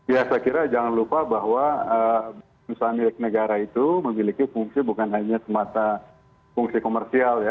ya saya kira jangan lupa bahwa perusahaan milik negara itu memiliki fungsi bukan hanya semata fungsi komersial ya